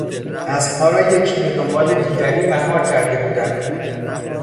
اسبها را یکی به دنبال دیگری مهار کرده بودند.